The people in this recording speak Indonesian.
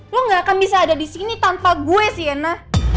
lo gak akan bisa ada di sini tanpa gue sih ena